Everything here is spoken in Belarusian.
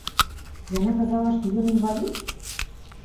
Яна казала, што ён інвалід?